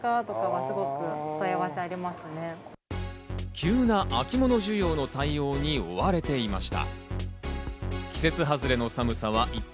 急な秋物需要の対応に追われていました。